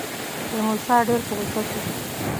تیمورشاه ډېر په غوسه شو.